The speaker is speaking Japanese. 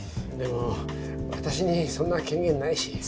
でも私にそんな権限ないし。